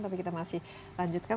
tapi kita masih lanjutkan